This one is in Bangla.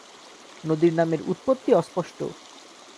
নদীর নামের উৎপত্তি অস্পষ্ট।